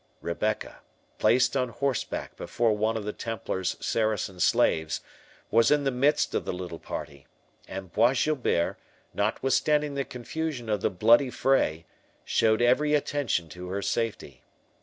Rebecca, placed on horseback before one of the Templar's Saracen slaves, was in the midst of the little party; and Bois Guilbert, notwithstanding the confusion of the bloody fray, showed every attention to her safety.